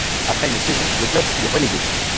Après une saison, le club fut relégué.